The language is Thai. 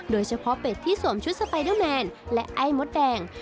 โดยเฉพาะเป็ดที่สวมชุดสไปเดอร์แมนและไอ้มดแดง